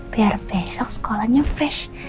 biar besok sekolahnya fresh